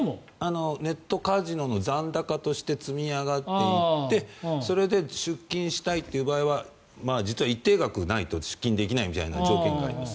ネットカジノの残高として積み上がっていてそれで出金したいという場合は実は一定額ないと出金できないみたいな条件があります。